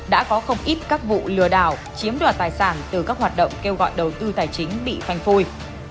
đã có không ít các vụ lừa đảo chiếm đoạt tài sản từ các hoạt động kêu gọi đầu tư tài chính bị phanh phui